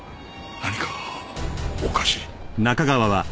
何かがおかしい